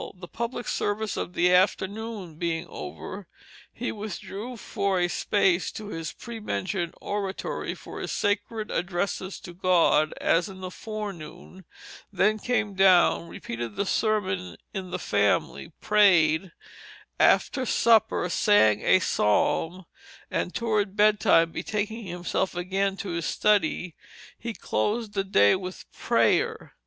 The public service of the afternoon being over, he withdrew for a space to his pre mentioned oratory for his sacred addresses to God, as in the forenoon, then came down, repeated the sermon in the family, prayed, after supper sang a Psalm, and toward bedtime betaking himself again to his study he closed the day with prayer.